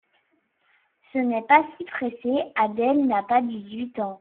Ce n’est pas si pressé, Adèle n’a pas dix-huit ans.